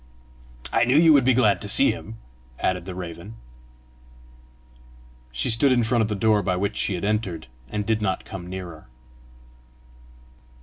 "I knew you would be glad to see him!" added the raven. She stood in front of the door by which she had entered, and did not come nearer.